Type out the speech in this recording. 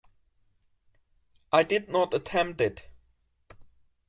I did not attempt it.